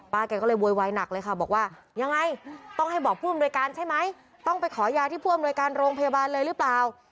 แกก็เลยโวยวายหนักเลยค่ะบอกว่ายังไงต้องให้บอกผู้อำนวยการใช่ไหมต้องไปขอยาที่ผู้อำนวยการโรงพยาบาลเลยหรือเปล่า